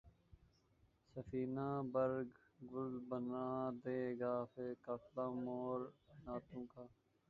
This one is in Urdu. سفینۂ برگ گل بنا لے گا قافلہ مور ناتواں کا